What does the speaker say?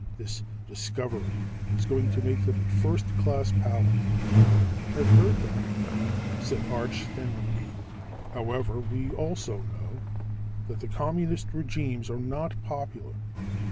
This discovery is going to make them a first class power." "I've heard that," said Arch thinly. "However, we also know that the communist regimes are not popular.